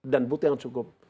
dan bukti yang cukup